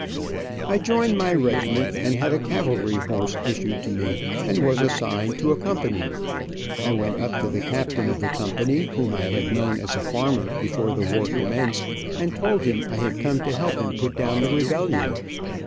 I joined my regiment, and had a cavalry horse issued to me, and was assigned to a company. I went up to the captain of the company, whom I had known as a farmer before the war commenced, and told him I had come to help him put down the rebellion.